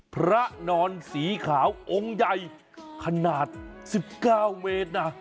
พระนอนสีขาวองค์ใหญ่ขนาด๑๙เมตรนะ